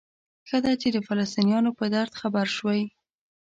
ښه ده چې د فلسطینیانو په درد خبر شوئ.